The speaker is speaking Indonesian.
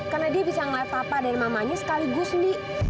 karena dia bisa ngeliat apa dari mamanya sekaligus di